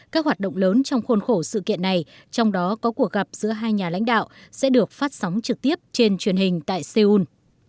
các hoạt động lớn trong khuôn khổ sự kiện này trong đó có cuộc gặp giữa hai nhà lãnh đạo sẽ được phát sóng trực tiếp trên truyền hình tại seoul